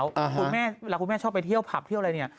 คุณแม่เวลาคุณแม่ชอบไปเที่ยวผับเที่ยวอะไรเนี่ย